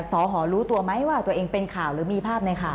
สอหอรู้ตัวไหมว่าตัวเองเป็นข่าวหรือมีภาพในข่าว